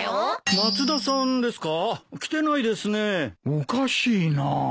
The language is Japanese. おかしいなあ。